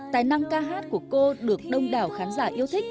tài năng ca hát của cô được đông đảo khán giả yêu thích